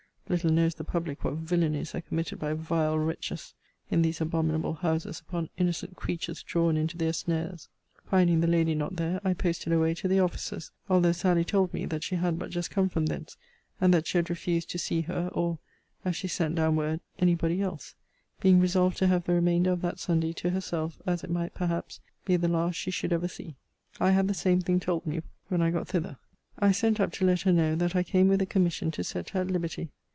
Little knows the public what villanies are committed by vile wretches, in these abominable houses upon innocent creatures drawn into their snares. Finding the lady not there, I posted away to the officer's, although Sally told me that she had but just come from thence; and that she had refused to see her, or (as she sent down word) any body else; being resolved to have the remainder of that Sunday to herself, as it might, perhaps, be the last she should ever see. I had the same thing told me, when I got thither. I sent up to let her know, that I came with a commission to set her at liberty.